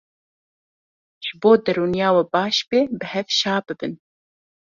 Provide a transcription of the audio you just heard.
Ji bo derûniya we baş be, bi hev şa bibin.